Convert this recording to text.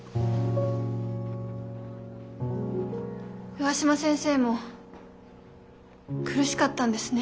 上嶋先生も苦しかったんですね。